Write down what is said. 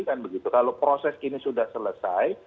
kalau proses ini sudah selesai